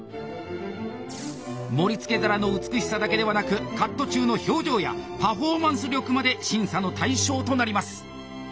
盛り付け皿の美しさだけではなくカット中の表情やパフォーマンス力まで審査の対象となります。